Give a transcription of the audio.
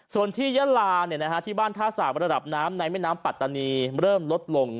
ส่วนที่ยะลาที่บ้านท่าสากระดับน้ำในแม่น้ำปัตตานีเริ่มลดลง